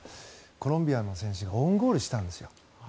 コロンビアの選手がオウンゴールしたんですよ。